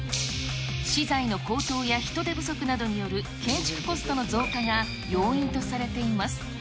資材の高騰や人手不足などによる建築コストの増加が要因とされています。